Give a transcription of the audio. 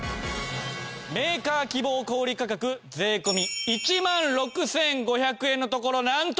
メーカー希望小売価格税込１万６５００円のところなんと。